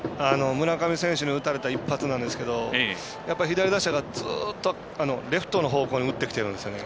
村上選手に打たれた一発なんですけどやっぱり左打者がずっとレフトの方向に打ってきてるんですよね。